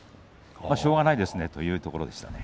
しょうがないですねというところでしたね。